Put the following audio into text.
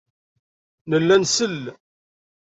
Nella nsell.